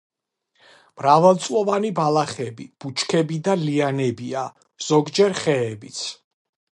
მრავალწლოვანი ბალახები, ბუჩქები და ლიანებია, ზოგჯერ ხეებიც.